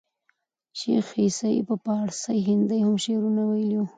شېخ عیسي په پاړسي هندي هم شعرونه ویلي وو.